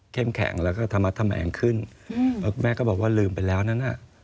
แข็งแล้วก็ธรรมธแมงขึ้นแล้วแม่ก็บอกว่าลืมไปแล้วนั้นน่ะ